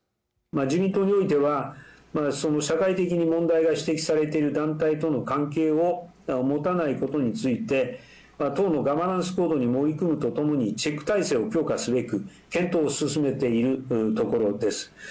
自民党においては、社会的に問題が指摘されている団体との関係を持たないことについて、党のガバナンス行動に盛り込むとともに、チェック体制を強化すべく検討を進めているところです。